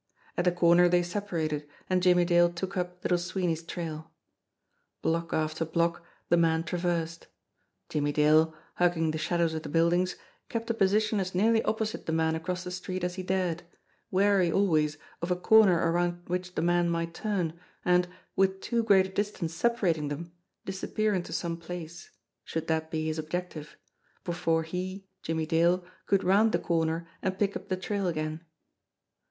At the corner they separated, and Jimmie Dale took up Little Sweeney's trail. Block after block the man traversed. Jimmie Dale, hug ging the shadows of the buildings, kept a position as nearly opposite the man across the street as he dared, wary always of a corner around which the man might turn, and, with too great a distance separating them, disappear into some place ; should that be his objective before he, Jimmie Dale, could round the corner and pick up the trail again.